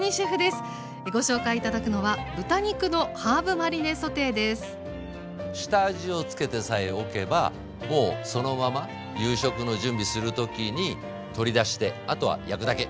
ご紹介頂くのは下味をつけてさえおけばもうそのまま夕食の準備する時に取り出してあとは焼くだけ。